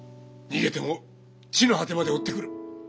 逃げても地の果てまで追ってくる。